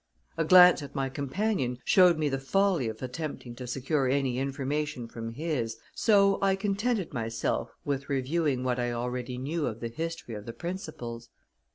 A glance at my companion showed me the folly of attempting to secure any information from his, so I contented myself with reviewing what I already knew of the history of the principals.